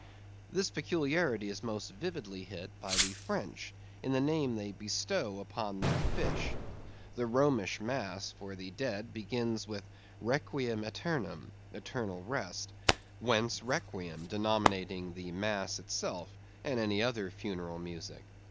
This peculiarity is most vividly hit by the French in the name they bestow upon that fish. The Romish mass for the dead begins with "Requiem eternam" (eternal rest), whence Requiem denominating the mass itself, and any other funeral music.